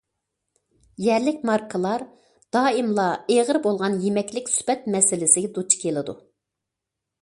يەرلىك ماركىلار دائىملا ئېغىر بولغان يېمەكلىك سۈپەت مەسىلىسىگە دۇچ كېلىدۇ.